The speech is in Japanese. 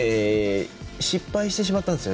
失敗してしまったんですよ。